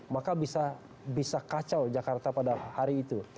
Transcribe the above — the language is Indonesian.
maka bisa kacau jakarta pada hari itu